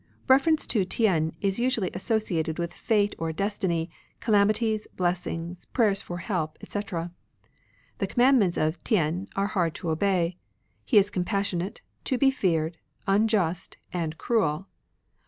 Reference to THen is usually associated with fate or destiny, calamities, blessings, prayers for help, etc. The commandments of THen are hard to obey ; He is compassionate, to be feared, imjust, and cruel.